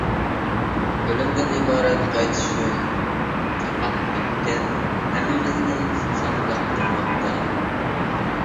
ئۆلۈمدىن ئىبارەت قايتىش يول تاقاق بېكەت ھەممىمىزنى ساقلاپ تۇرماقتا.